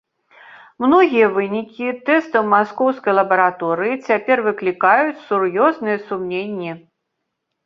Многія вынікі тэстаў маскоўскай лабараторыі цяпер выклікаюць сур'ёзныя сумненні.